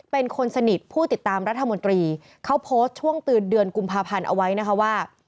เป็นคนสนิทผู้ติดตามรัฐมนตรีเขาโพสต์ช่วงเตือนเดือนกุมภาพันธ์เอาไว้นะคะว่า